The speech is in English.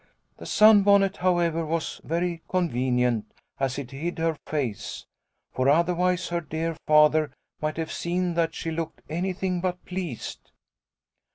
" The sun bonnet, however, was very con venient, as it hid her face, for otherwise her dear Father, might have seen that she looked any thing but pleased.